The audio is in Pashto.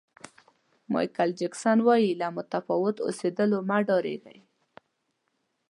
مایکل جکسن وایي له متفاوت اوسېدلو مه ډارېږئ.